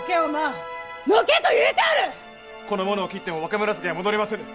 この者を斬っても若紫は戻りませぬ！